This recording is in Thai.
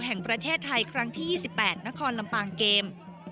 แห่งประเทศไทยครั้งที่๒๘นครลำปางเกม